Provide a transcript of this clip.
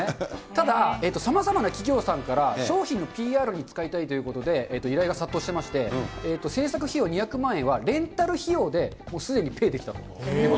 ただ、さまざまな企業さんから商品のＰＲに使いたいということで、依頼が殺到してまして、制作費用２００万円は、レンタル費用でもうすでにペイできたと。